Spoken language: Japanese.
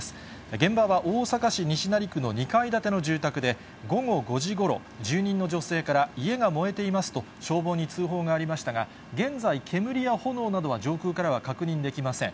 現場は大阪市西成区の２階建ての住宅で、午後５時ごろ、住人の女性から家が燃えていますと、消防に通報がありましたが、現在、煙や炎などは上空からは確認できません。